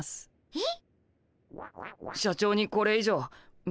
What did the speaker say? えっ？